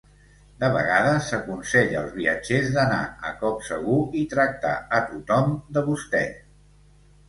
De vegades s'aconsella als viatgers d'anar a cop segur i tractar a tothom de "vostè".